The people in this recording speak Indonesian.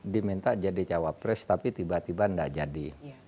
diminta jadi cawapres tapi tiba tiba tidak jadi